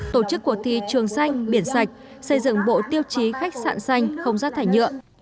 tổ chức cuộc thi trường xanh biển sạch xây dựng bộ tiêu chí khách sạn xanh không rác thải nhựa